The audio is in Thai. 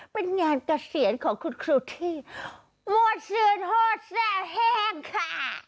เป็นงานเกษียณของคุณครูที่มั่วเซียนโหดแซ่แห้งค่ะ